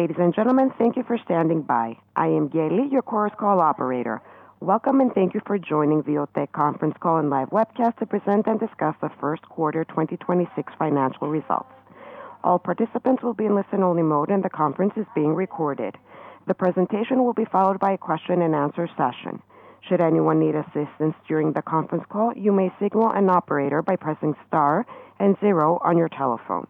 Ladies and gentlemen, thank you for standing by. I am Gailey, your Chorus Call operator. Welcome, thank you for joining the OTE conference call and live webcast to present and discuss the first quarter 2026 financial results. All participants will be in listen-only mode, the conference is being recorded. The presentation will be followed by a question and answer session. Should anyone need assistance during the conference call, you may signal an operator by pressing star zero on your telephone.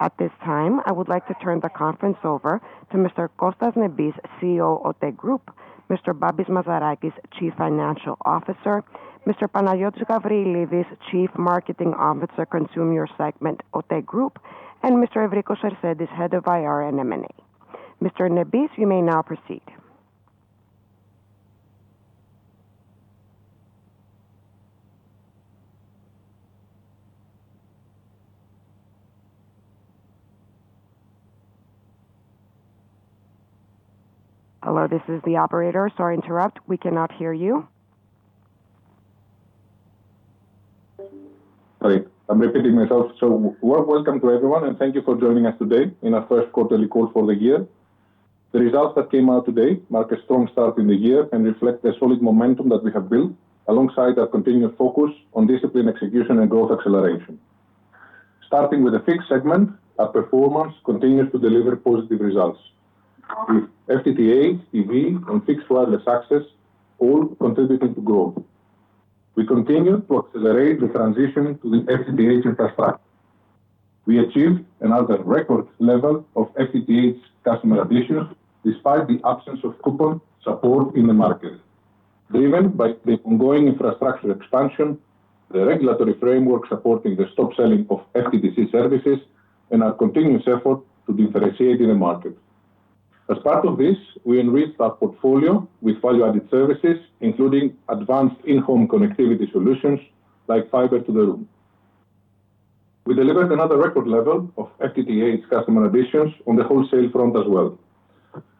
At this time, I would like to turn the conference over to Mr. Kostas Nebis, CEO OTE Group. Mr. Babis Mazarakis, Chief Financial Officer. Mr. Panayiotis Gabrielides, Chief Marketing Officer, Consumer Segment OTE Group, Mr. Evrikos Sarsentis, Head of IR and M&A. Mr. Nebis, you may now proceed. Hello, this is the operator. Sorry to interrupt. We cannot hear you. Sorry, I'm repeating myself. Welcome to everyone, and thank you for joining us today in our first quarterly call for the year. The results that came out today mark a strong start in the year and reflect the solid momentum that we have built alongside our continued focus on discipline, execution, and growth acceleration. Starting with the fixed segment, our performance continues to deliver positive results. FTTH, TV, and fixed wireless access all contributed to growth. We continue to accelerate the transition to the FTTH infrastructure. We achieved another record level of FTTH customer additions despite the absence of coupon support in the market, driven by the ongoing infrastructure expansion, the regulatory framework supporting the stop selling of FTTC services, and our continuous effort to differentiate in the market. As part of this, we enriched our portfolio with value-added services, including advanced in-home connectivity solutions like Fiber to the Room. We delivered another record level of FTTH customer additions on the wholesale front as well.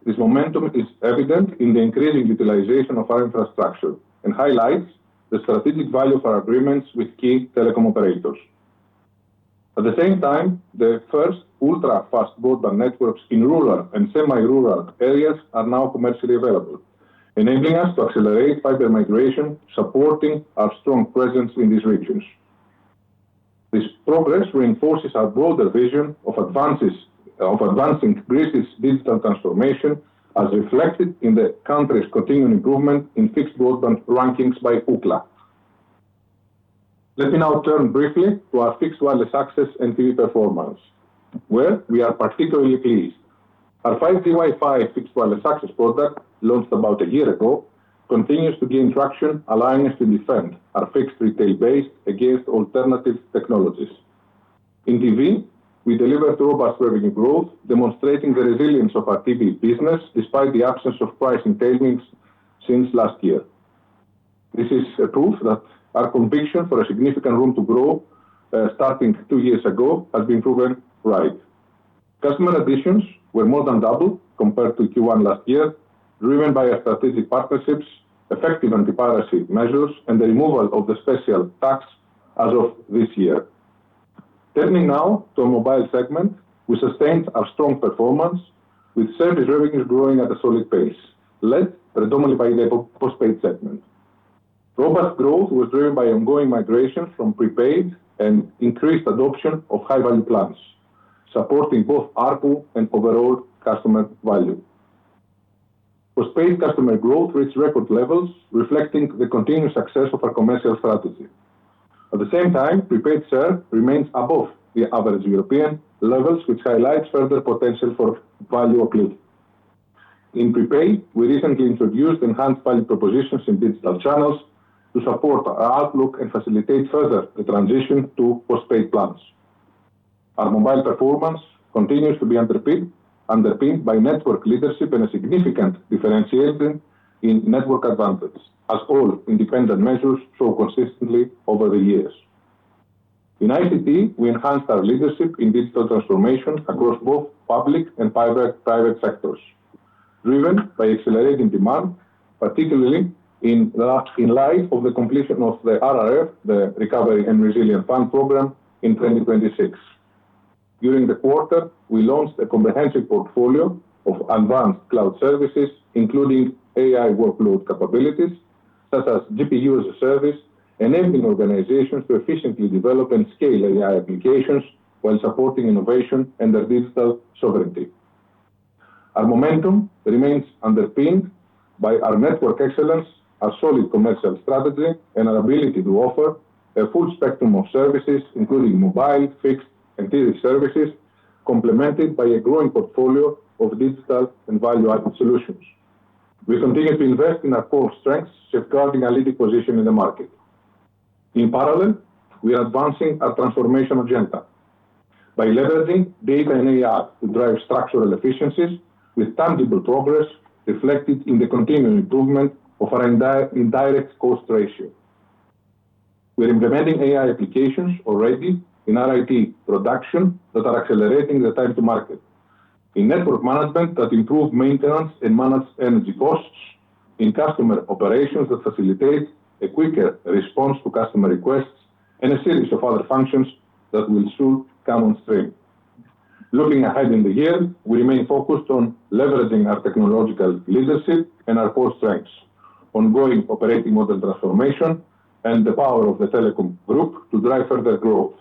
This momentum is evident in the increasing utilization of our infrastructure and highlights the strategic value of our agreements with key telecom operators. At the same time, the first ultra-fast broadband networks in rural and semi-rural areas are now commercially available, enabling us to accelerate fiber migration, supporting our strong presence in these regions. This progress reinforces our broader vision of advancing Greece's digital transformation, as reflected in the country's continuing improvement in fixed broadband rankings by Ookla. Let me now turn briefly to our fixed wireless access and TV performance, where we are particularly pleased. Our COSMOTE 5G WiFi fixed wireless access product, launched about a year ago, continues to gain traction, allowing us to defend our fixed retail base against alternative technologies. In TV, we delivered robust revenue growth, demonstrating the resilience of our TV business despite the absence of price entailments since last year. This is a proof that our conviction for a significant room to grow, starting two years ago has been proven right. Customer additions were more than double compared to Q1 last year, driven by our strategic partnerships, effective anti-piracy measures, and the removal of the special tax as of this year. Turning now to our mobile segment, we sustained our strong performance with service revenues growing at a solid pace, led predominantly by the postpaid segment. Robust growth was driven by ongoing migration from prepaid and increased adoption of high-value plans, supporting both ARPU and overall customer value. Postpaid customer growth reached record levels, reflecting the continued success of our commercial strategy. At the same time, prepaid share remains above the average European levels, which highlights further potential for value uplift. In prepaid, we recently introduced enhanced value propositions in digital channels to support our outlook and facilitate further the transition to postpaid plans. Our mobile performance continues to be underpinned by network leadership and a significant differentiation in network advantage, as all independent measures show consistently over the years. In ICT, we enhanced our leadership in digital transformation across both public and private sectors, driven by accelerating demand, particularly in light of the completion of the RRF, the Recovery and Resilience Fund program in 2026. During the quarter, we launched a comprehensive portfolio of advanced cloud services, including AI workload capabilities such as GPU as a Service, enabling organizations to efficiently develop and scale AI applications while supporting innovation and their digital sovereignty. Our momentum remains underpinned by our network excellence, our solid commercial strategy, and our ability to offer a full spectrum of services, including mobile, fixed, and TV services, complemented by a growing portfolio of digital and value-added solutions. We continue to invest in our core strengths, safeguarding our leading position in the market. In parallel, we are advancing our transformation agenda by leveraging data and AI to drive structural efficiencies with tangible progress reflected in the continuing improvement of our indirect cost ratio. We're implementing AI applications already in our IT production that are accelerating the time to market. In network management that improve maintenance and manage energy costs. In customer operations that facilitate a quicker response to customer requests and a series of other functions that will soon come on stream. Looking ahead in the year, we remain focused on leveraging our technological leadership and our core strengths, ongoing operating model transformation, and the power of the telecom group to drive further growth,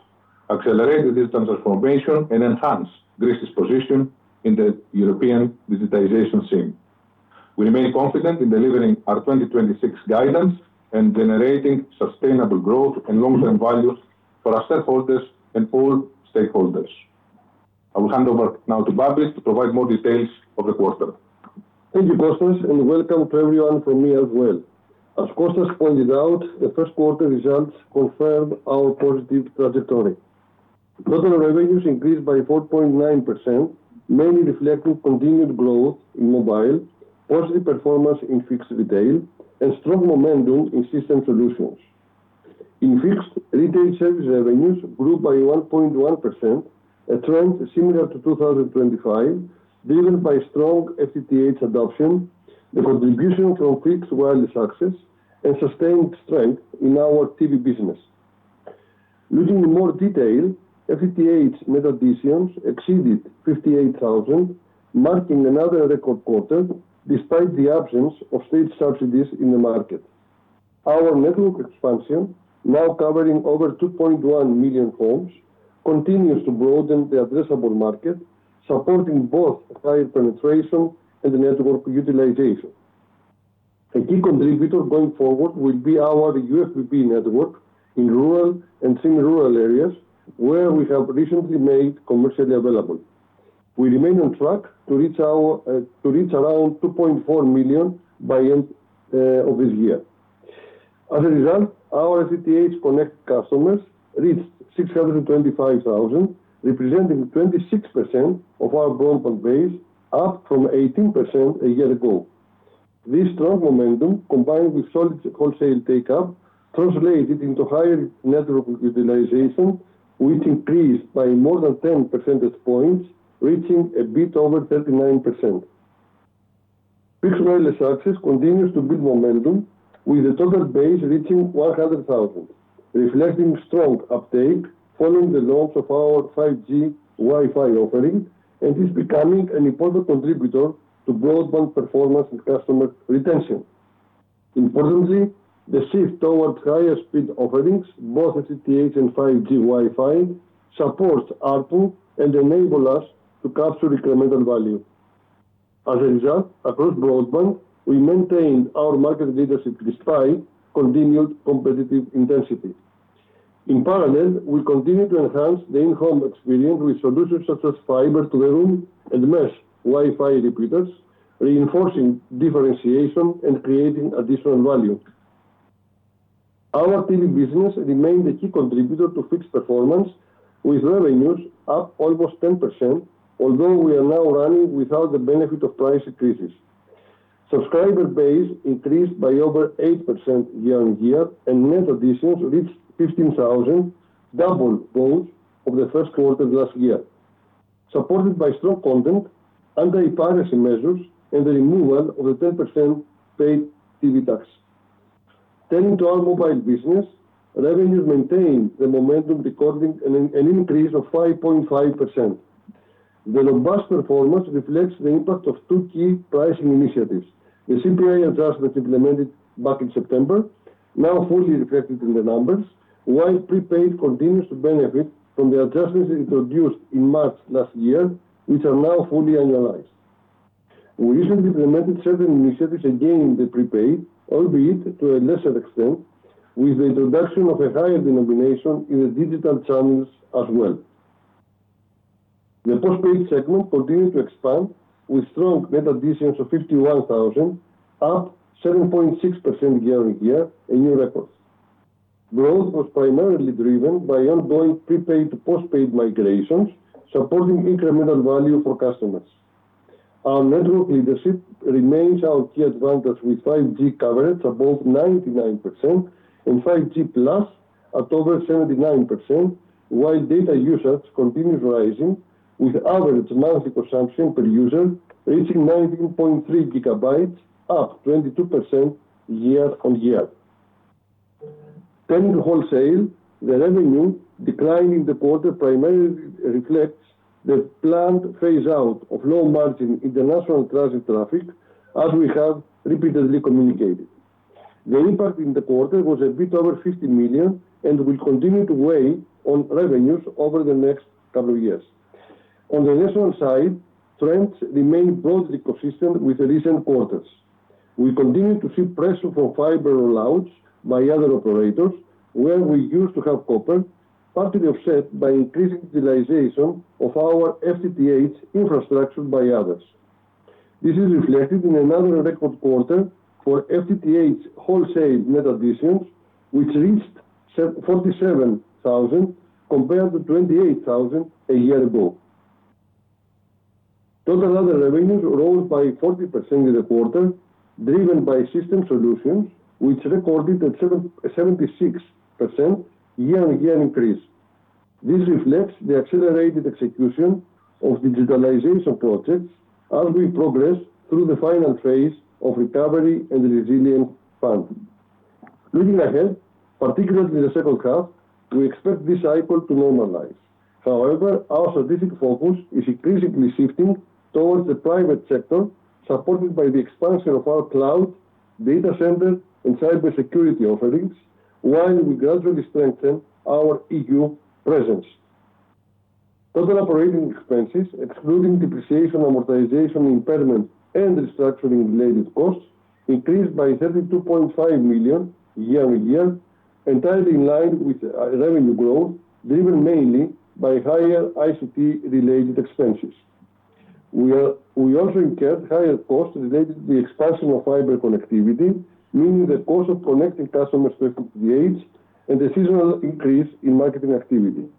accelerate digital transformation, and enhance Greece's position in the European digitization scene. We remain confident in delivering our 2026 guidance and generating sustainable growth and long-term value for our shareholders and all stakeholders. I will hand over now to Babis to provide more details of the quarter. Thank you, Kostas, and welcome to everyone from me as well. As Kostas pointed out, the first quarter results confirm our positive trajectory. Total revenues increased by 4.9%, mainly reflecting continued growth in mobile, positive performance in fixed retail, and strong momentum in system solutions. In fixed retail service revenues grew by 1.1%, a trend similar to 2025, driven by strong FTTH adoption, the contribution from fixed wireless access, and sustained strength in our TV business. Looking in more detail, FTTH net additions exceeded 58,000, marking another record quarter despite the absence of state subsidies in the market. Our network expansion, now covering over 2.1 million homes, continues to broaden the addressable market, supporting both higher penetration and network utilization. A key contributor going forward will be our UFBB network in rural and semi-rural areas, where we have recently made commercially available. We remain on track to reach our to reach around 2.4 million by end of this year. As a result, our FTTH connected customers reached 625,000, representing 26% of our broadband base, up from 18% a year ago. This strong momentum, combined with solid wholesale take-up, translated into higher network utilization, which increased by more than 10 percentage points, reaching a bit over 39%. Fixed wireless access continues to build momentum, with the total base reaching 100,000, reflecting strong uptake following the launch of our 5G WiFi offering, and is becoming an important contributor to broadband performance and customer retention. Importantly, the shift towards higher-speed offerings, both FTTH and 5G WiFi, supports ARPU and enable us to capture incremental value. As a result, across broadband, we maintained our market leadership despite continued competitive intensity. In parallel, we continue to enhance the in-home experience with solutions such as Fiber to the Room and mesh WiFi repeaters, reinforcing differentiation and creating additional value. Our TV business remained a key contributor to fixed performance, with revenues up almost 10%, although we are now running without the benefit of price increases. Subscriber base increased by over 8% year-on-year, and net additions reached 15,000, double those of the first quarter last year. Supported by strong content, anti-piracy measures, and the removal of a 10% paid TV tax. Turning to our mobile business, revenues maintained the momentum, recording an increase of 5.5%. The robust performance reflects the impact of two key pricing initiatives. The CPI adjustments implemented back in September, now fully reflected in the numbers, while prepaid continues to benefit from the adjustments introduced in March last year, which are now fully annualized. We recently implemented certain initiatives again in the prepaid, albeit to a lesser extent, with the introduction of a higher denomination in the digital channels as well. The postpaid segment continued to expand with strong net additions of 51,000, up 7.6% year-on-year, a new record. Growth was primarily driven by ongoing prepaid to postpaid migrations, supporting incremental value for customers. Our network leadership remains our key advantage with 5G coverage above 99% and 5G+ at over 79%, while data usage continues rising, with average monthly consumption per user reaching 19.3 GB, up 22% year-on-year. Turning to wholesale, the revenue decline in the quarter primarily reflects the planned phase out of low margin international transit traffic, as we have repeatedly communicated. The impact in the quarter was a bit over 50 million and will continue to weigh on revenues over the next two years. On the national side, trends remain broadly consistent with the recent quarters. We continue to see pressure for fiber rollouts by other operators where we used to have copper, partly offset by increasing utilization of our FTTH infrastructure by others. This is reflected in another record quarter for FTTH wholesale net additions, which reached 47,000 compared to 28,000 a year ago. Total other revenues rose by 40% in the quarter, driven by system solutions, which recorded a 76% year-on-year increase. This reflects the accelerated execution of digitalization projects as we progress through the final phase of Recovery and Resilience Fund. Looking ahead, particularly in the second half, we expect this cycle to normalize. However, our strategic focus is increasingly shifting towards the private sector, supported by the expansion of our cloud data center and cybersecurity offerings, while we gradually strengthen our EU presence. Total operating expenses, excluding depreciation, amortization, impairment, and restructuring-related costs, increased by 32.5 million year-on-year, entirely in line with revenue growth, driven mainly by higher ICT-related expenses. We also incurred higher costs related to the expansion of fiber connectivity, meaning the cost of connecting customers to FTTH, and a seasonal increase in marketing activity.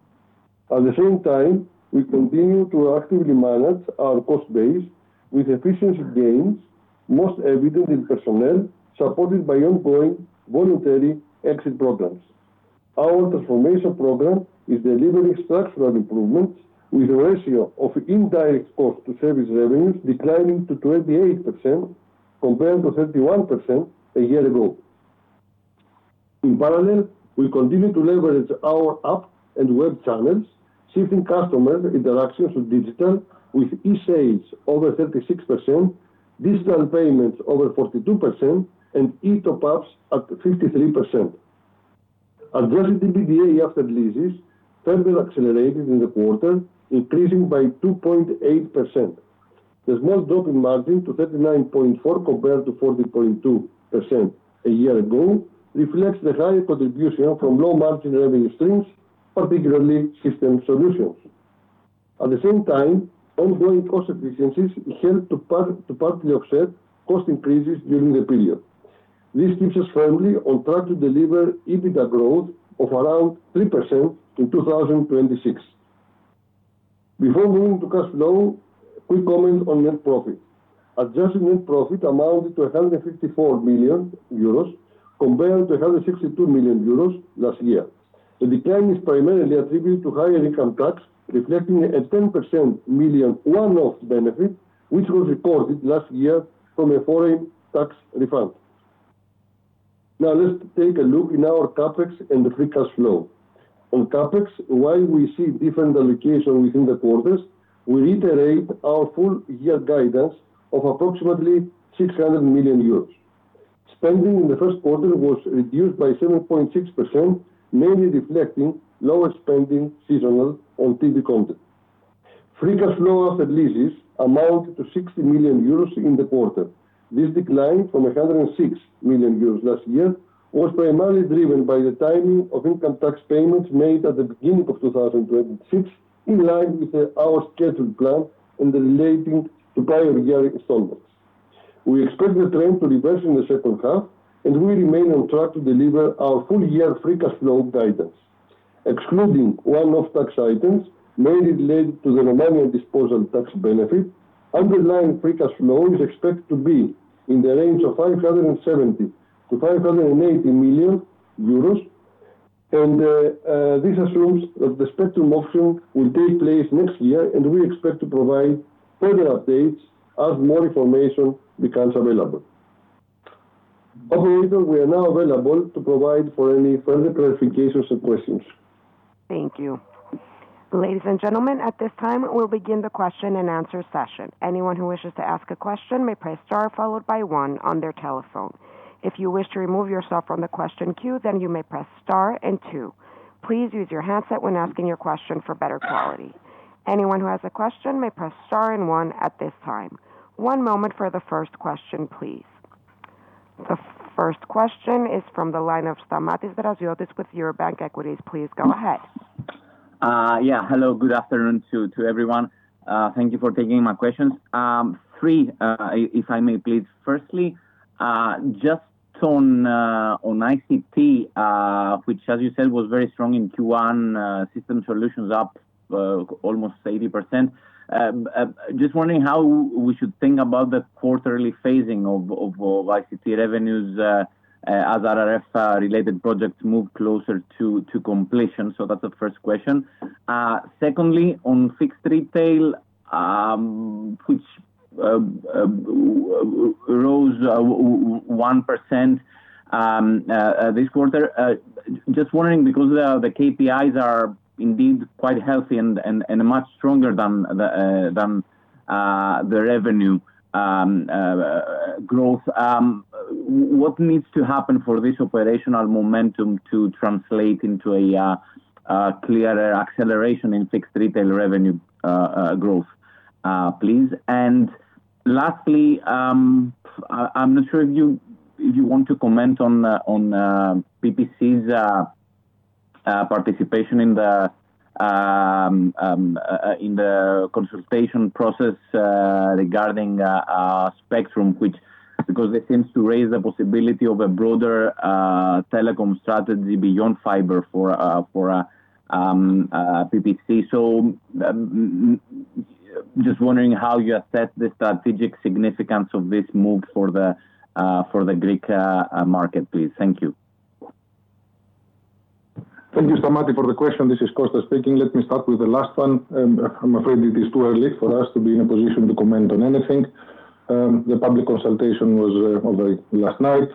At the same time, we continue to actively manage our cost base with efficiency gains, most evident in personnel supported by ongoing voluntary exit programs. Our transformation program is delivering structural improvements with a ratio of indirect costs to service revenues declining to 28% compared to 31% a year ago. We continue to leverage our app and web channels, shifting customer interactions with digital with e-sales over 36%, digital payments over 42%, and e-top-ups at 53%. Adjusted EBITDA after leases further accelerated in the quarter, increasing by 2.8%. The small drop in margin to 39.4% compared to 40.2% a year ago reflects the higher contribution from low-margin revenue streams, particularly system solutions. At the same time, ongoing cost efficiencies helped to partly offset cost increases during the period. This keeps us firmly on track to deliver EBITDA growth of around 3% in 2026. Before moving to cash flow, quick comment on net profit. Adjusted net profit amounted to 154 million euros compared to 162 million euros last year. The decline is primarily attributed to higher income tax, reflecting a 10 million one-off benefit, which was recorded last year from a foreign tax refund. Let's take a look in our CapEx and free cash flow. On CapEx, while we see different allocation within the quarters, we reiterate our full-year guidance of approximately 600 million euros. Spending in the first quarter was reduced by 7.6%, mainly reflecting lower spending seasonal on TV content. Free cash flow after leases amounted to 60 million euros in the quarter. This decline from 106 million euros last year was primarily driven by the timing of income tax payments made at the beginning of 2026, in line with our scheduled plan and relating to prior year installments. We expect the trend to reverse in the second half. We remain on track to deliver our full-year free cash flow guidance. Excluding one-off tax items mainly related to the Romanian disposal tax benefit, underlying free cash flow is expected to be in the range of 570 million-580 million euros, and this assumes that the spectrum auction will take place next year, and we expect to provide further updates as more information becomes available. Operator, we are now available to provide for any further clarifications or questions. Thank you. Ladies and gentlemen, at this time, we'll begin the question-and-answer session. Anyone who wishes to ask a question may press star followed by one on their telephone. If you wish to remove yourself from the question queue, then you may press star and two. Please use your handset when asking your question for better quality. Anyone who has a question may press star and one at this time. One moment for the first question, please. The first question is from the line of Stamatios Draziotis with Eurobank Equities. Please go ahead. Yeah. Hello, good afternoon to everyone. Thank you for taking my questions. Three, if I may, please. Firstly, just on ICT, which as you said, was very strong in Q1, system solutions up almost 80%. Just wondering how we should think about the quarterly phasing of ICT revenues as RRF related projects move closer to completion. That's the first question. Secondly, on fixed retail, which rose 1% this quarter. Just wondering because the KPIs are indeed quite healthy and much stronger than the revenue growth. What needs to happen for this operational momentum to translate into a clearer acceleration in fixed retail revenue growth, please? Lastly, I'm not sure if you want to comment on PPC's participation in the consultation process regarding spectrum, which Because it seems to raise the possibility of a broader telecom strategy beyond fiber for PPC. Just wondering how you assess the strategic significance of this move for the Greek market, please. Thank you. Thank you so much for the question. This is Kostas speaking. Let me start with the last one. I'm afraid it is too early for us to be in a position to comment on anything. The public consultation was only last night.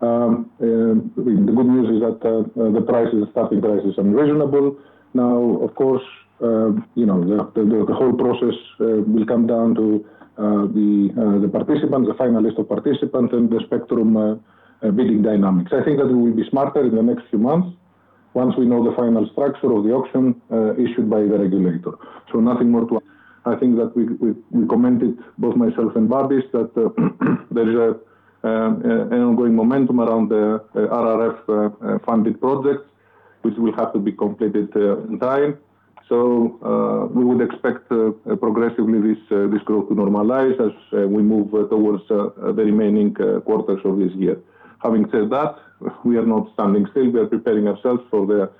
The good news is that the price is starting price is unreasonable. Of course, you know, the whole process will come down to the participants, the final list of participants and the spectrum bidding dynamics. I think that we will be smarter in the next few months once we know the final structure of the auction issued by the regulator. Nothing more to add. I think that we commented, both myself and Babis, that there is an ongoing momentum around the RRF funded projects, which will have to be completed in time. We would expect progressively this growth to normalize as we move towards the remaining quarters of this year. Having said that, we are not standing still. We are preparing ourselves for the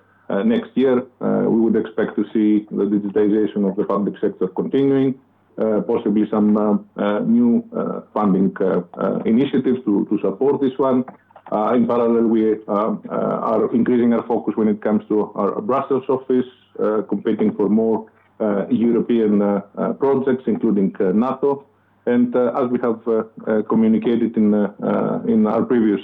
next year. We would expect to see the digitization of the public sector continuing, possibly some new funding initiatives to support this one. In parallel, we are increasing our focus when it comes to our Brussels office, competing for more European projects, including NATO. As we have communicated in our previous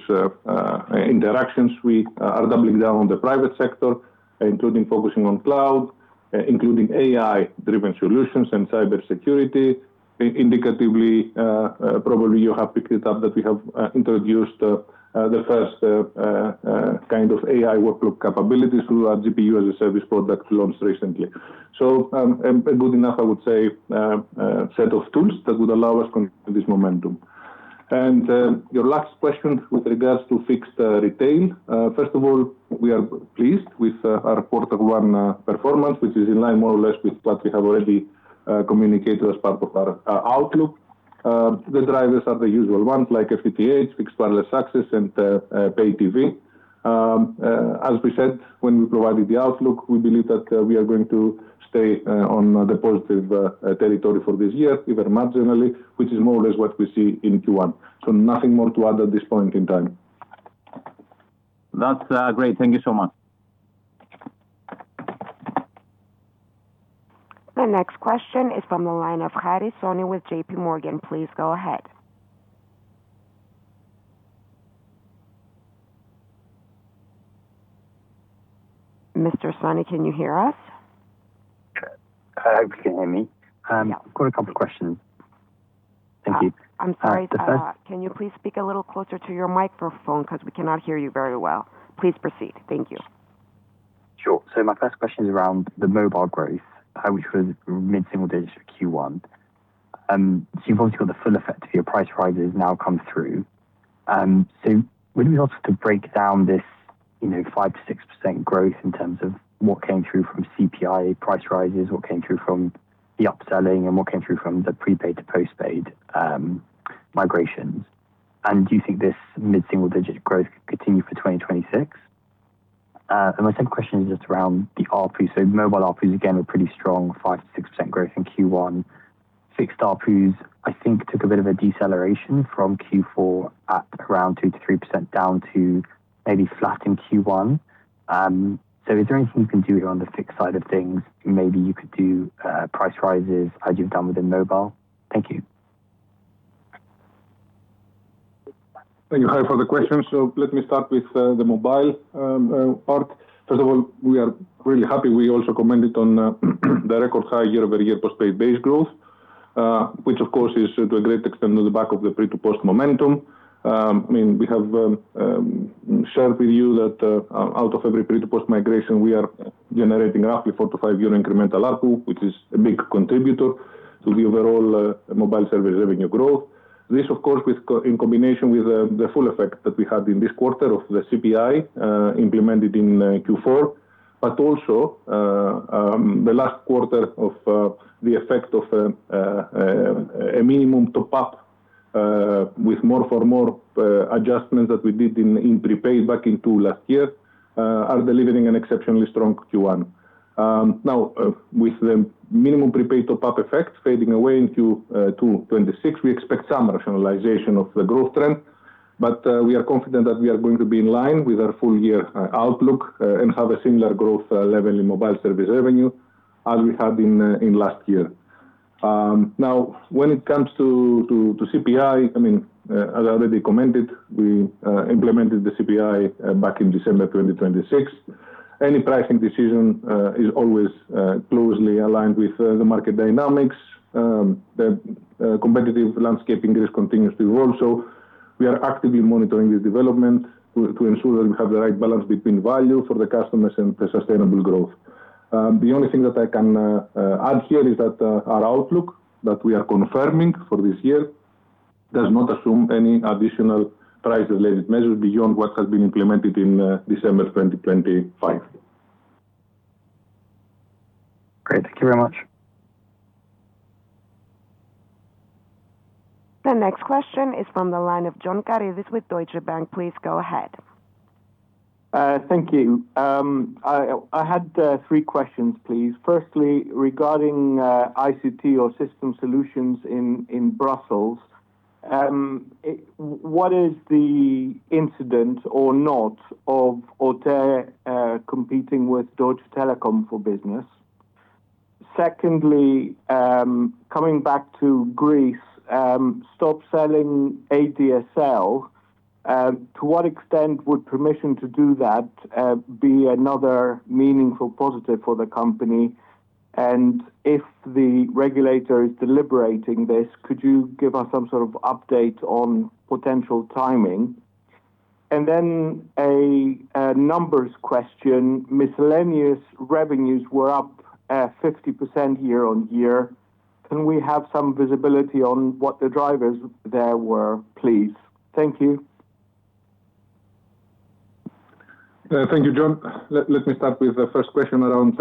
interactions, we are doubling down on the private sector, including focusing on cloud, including AI-driven solutions and cybersecurity. Indicatively, probably you have picked it up that we have introduced the first kind of AI workload capabilities through our GPU as a service product we launched recently. A good enough, I would say, set of tools that would allow us continue this momentum. Your last question with regards to fixed retail. First of all, we are pleased with our quarter one performance, which is in line more or less with what we have already communicated as part of our outlook. The drivers are the usual ones like FTTH, fixed wireless access and pay TV. As we said when we provided the outlook, we believe that we are going to stay on the positive territory for this year, even marginally, which is more or less what we see in Q1. Nothing more to add at this point in time. That's great. Thank you so much. The next question is from the line of Harry Goad with JPMorgan. Please go ahead. Mr. Goad, can you hear us? I hope you can hear me. Yeah. I've got a couple of questions. Thank you. I'm sorry. Uh, the first- Can you please speak a little closer to your microphone because we cannot hear you very well. Please proceed. Thank you. Sure. My first question is around the mobile growth, how we should mid-single digits for Q1. You've obviously got the full effect of your price rises now come through. Would you be able to break down this, you know, 5%-6% growth in terms of what came through from CPI price rises, what came through from the upselling, and what came through from the prepaid to postpaid migrations? Do you think this mid-single digit growth could continue for 2026? My second question is just around the ARPU. Mobile ARPUs again were pretty strong, 5%-6% growth in Q1. Fixed ARPUs I think took a bit of a deceleration from Q4 at around 2%-3% down to maybe flat in Q1. Is there anything you can do here on the fixed side of things? Maybe you could do price rises as you've done within mobile. Thank you. Thank you, Harry, for the question. Let me start with the mobile part. First of all, we are really happy. We also commented on the record high year-over-year postpaid base growth, which of course is to a great extent on the back of the pre to post momentum. I mean, we have shared with you that out of every pre to post migration, we are generating roughly four to five year incremental ARPU, which is a big contributor to the overall mobile service revenue growth. This, of course, in combination with the full effect that we had in this quarter of the CPI implemented in Q4, but also the last quarter of the effect of a minimum top-up with more for more adjustments that we did in prepaid back in two last year, are delivering an exceptionally strong Q1. Now, with the minimum prepaid top-up effect fading away into 2026, we expect some rationalization of the growth trend, but we are confident that we are going to be in line with our full year outlook and have a similar growth level in mobile service revenue as we had in last year. Now when it comes to CPI, as I already commented, we implemented the CPI back in December 2026. Any pricing decision is always closely aligned with the market dynamics. The competitive landscape in Greece continues to evolve, so we are actively monitoring the development to ensure that we have the right balance between value for the customers and the sustainable growth. The only thing that I can add here is that our outlook that we are confirming for this year does not assume any additional price-related measures beyond what has been implemented in December 2025. Great. Thank you very much. The next question is from the line of John Karidis with Deutsche Bank. Please go ahead. Thank you. I had three questions please. Firstly, regarding ICT or system solutions in Brussels, what is the incident or not of OTE competing with Deutsche Telekom for business? Secondly, coming back to Greece, stop selling ADSL, to what extent would permission to do that be another meaningful positive for the company? If the regulator is deliberating this, could you give us some sort of update on potential timing? Then a numbers question. Miscellaneous revenues were up 50% year-on-year. Can we have some visibility on what the drivers there were, please? Thank you. Thank you, John. Let me start with the first question around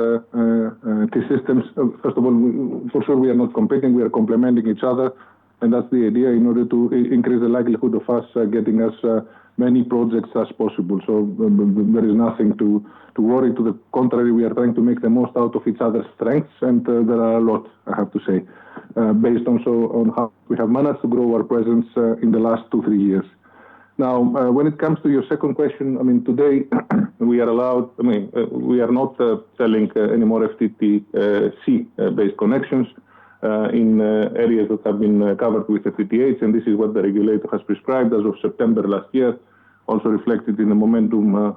T-Systems. First of all, for sure we are not competing, we are complementing each other, and that's the idea in order to increase the likelihood of us getting as many projects as possible. There is nothing to worry. To the contrary, we are trying to make the most out of each other's strengths, and there are a lot, I have to say, based also on how we have managed to grow our presence in the last two, three years. Now, when it comes to your second question, today we are allowed, we are not selling any more FTTC based connections in areas that have been covered with FTTH, and this is what the regulator has prescribed as of September last year, also reflected in the momentum of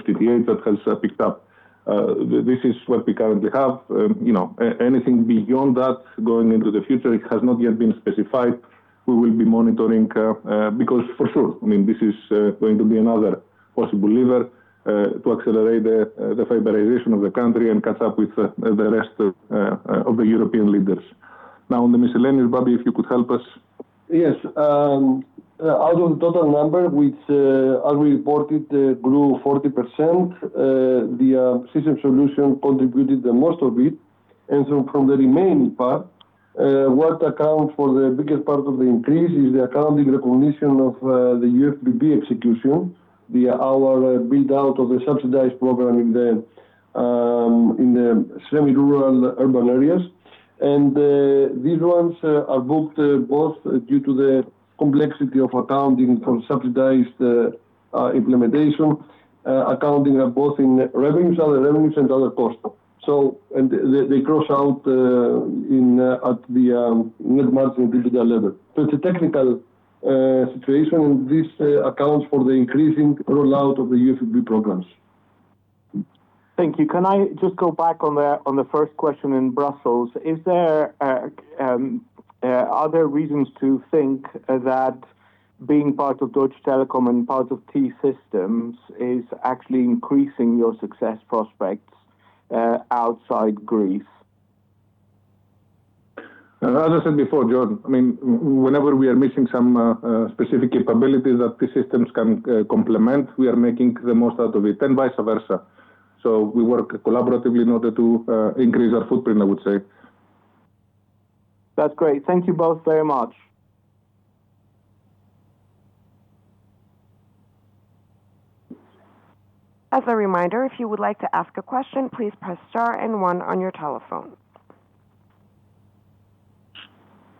FTTH that has picked up. This is what we currently have. You know, anything beyond that going into the future, it has not yet been specified. We will be monitoring, because for sure, this is going to be another possible lever to accelerate the fiberization of the country and catch up with the rest of the European leaders. Now on the miscellaneous, Babis, if you could help us. Yes. Out of the total number, which, as we reported, grew 40%, the system solution contributed the most of it. From the remaining part, what account for the biggest part of the increase is the accounting recognition of the UFBB execution, our build out of the subsidized program in the semi-rural urban areas. These ones are booked both due to the complexity of accounting for subsidized implementation, accounting both in revenues, other revenues and other costs. They cross out in at the net margin EBITDA level. It's a technical situation, and this accounts for the increasing rollout of the USBB programs. Thank you. Can I just go back on the, on the first question in Brussels? Are there reasons to think that being part of Deutsche Telekom and part of T-Systems is actually increasing your success prospects outside Greece? As I said before, John, I mean, whenever we are missing some specific capabilities that T-Systems can complement, we are making the most out of it, and vice versa. We work collaboratively in order to increase our footprint, I would say. That's great. Thank you both very much. As a reminder, if you would like to ask a question, please press star and one on your telephone.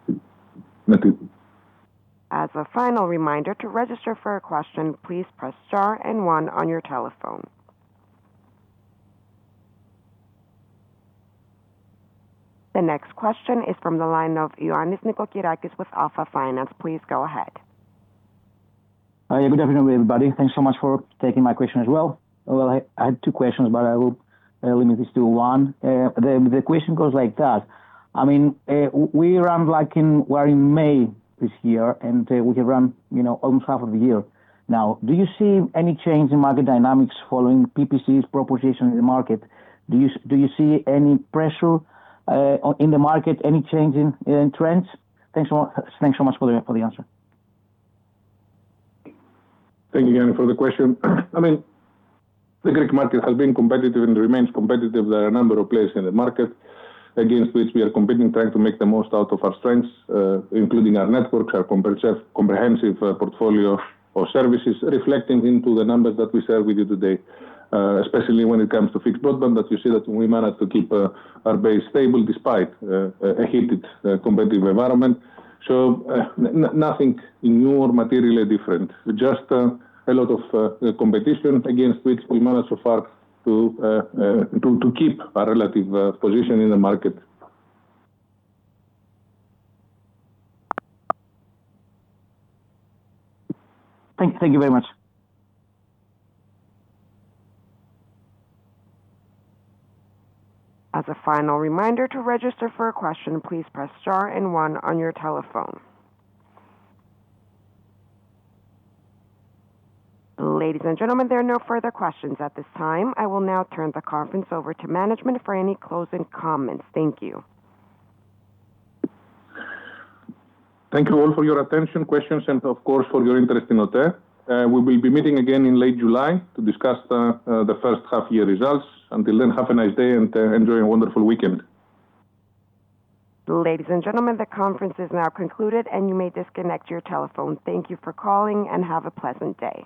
Thank you. The next question is from the line of Ioannis Nikolakakis with Alpha Finance. Please go ahead. Good afternoon, everybody. Thanks so much for taking my question as well. Well, I had two questions, but I will limit this to one. The question goes like that. I mean, we're in May this year, and we have run, you know, almost half of the year now. Do you see any change in market dynamics following PPC's proposition in the market? Do you see any pressure on, in the market, any change in trends? Thanks so much for the answer. Thank you again for the question. I mean, the Greek market has been competitive and remains competitive. There are a number of players in the market against which we are competing, trying to make the most out of our strengths, including our networks, our comprehensive portfolio of services reflecting into the numbers that we shared with you today, especially when it comes to fixed broadband that you see that we managed to keep our base stable despite a heated competitive environment. Nothing new or materially different, just a lot of competition against which we managed so far to keep our relative position in the market. Thank you, thank you very much. As a final reminder, to register for a question, please press star and one on your telephone. Ladies and gentlemen, there are no further questions at this time. I will now turn the conference over to management for any closing comments. Thank you. Thank you all for your attention, questions, and of course for your interest in OTE. We will be meeting again in late July to discuss the first half year results. Until then, have a nice day and enjoy a wonderful weekend. Ladies and gentlemen, the conference is now concluded, and you may disconnect your telephone. Thank you for calling, and have a pleasant day.